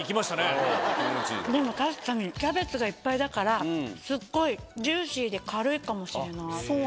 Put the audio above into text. でも確かにキャベツがいっぱいだからすっごいジューシーで軽いかもしれない。